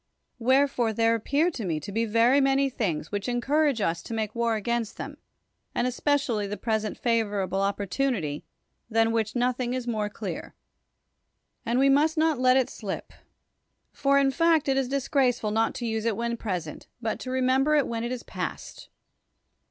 Wherefore there appear to me to be very manj^ things which encourage us to make war against them, and especially the present favorable oppor tunity, than w^hich nothing is more clear. And we must not let it slip. For, in fact, it is dis graceful not to use it when present, but to remember it when it is past.